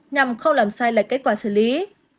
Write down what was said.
nhằm không làm sai lại kết quả xử lý